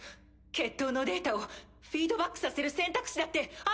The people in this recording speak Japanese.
決闘のデータをフィードバックさせる選択肢だってあるのでは。